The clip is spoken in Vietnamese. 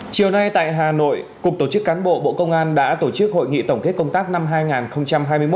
chiều nay tại hà nội cục tổ chức cán bộ bộ công an đã tổ chức hội nghị tổng kết công tác năm hai nghìn hai mươi một